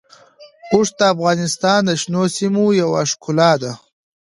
اوښ د افغانستان د شنو سیمو یوه ښکلا ده.